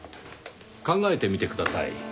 考えてみてください。